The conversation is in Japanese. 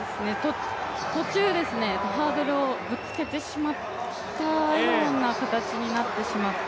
途中ハードルをぶつけてしまったような形になってしまって。